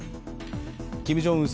キム・ジョンウン